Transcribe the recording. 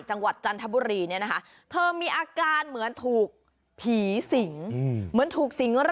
เจ๊เจ๊เน็ตขอลูกคุณหน่อย